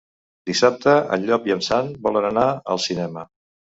Dissabte en Llop i en Sam volen anar al cinema.